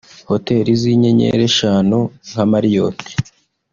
Hoteli z’inyenyeri eshanu nka Marriot